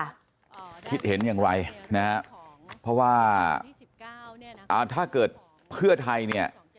คิดเห็นอย่างไรนะฮะเพราะว่าอ่าถ้าเกิดเพื่อไทยเนี่ย